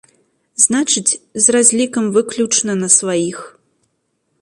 Значыць, з разлікам выключна на сваіх.